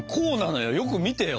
よく見てよ。